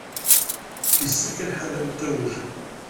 Yessefk ad nḥader amtiweg.